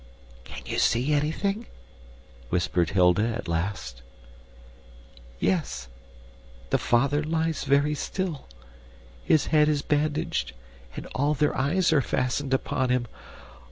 "Can you see anything?" whispered Hilda at last. "Yes the father lies very still, his head is bandaged, and all their eyes are fastened upon him.